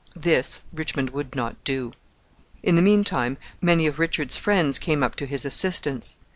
This Richmond would not do. In the mean time, many of Richard's friends came up to his assistance.